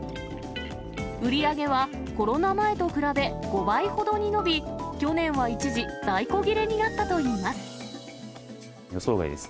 売り上げはコロナ前と比べ５倍ほどに伸び、去年は一時、在庫切れ予想外です。